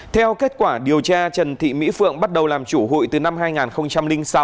theo kết quả điều tra trần thị mỹ phượng bắt đầu làm chủ hụi từ năm hai nghìn sáu